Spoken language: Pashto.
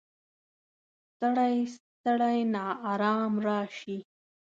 ستړی، ستړی ناارام راشي